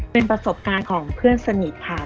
เป็นประสบการณ์ของเพื่อนสนิทค่ะ